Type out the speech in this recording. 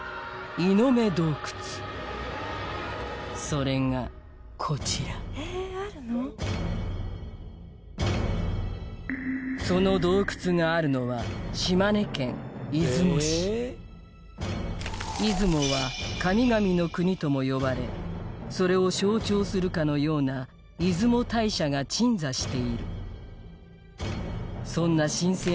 それがこちらその洞窟があるのは島根県出雲市出雲は神々の国とも呼ばれそれを象徴するかのような出雲大社が鎮座しているそんな神聖